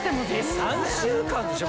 ３週間でしょ？